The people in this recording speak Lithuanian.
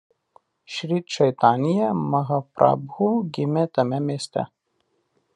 Šri Čaitanja Mahaprabhu gimė tame mieste.